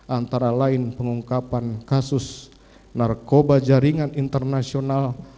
antara lain pengungkapan kasus narkoba jaringan internasional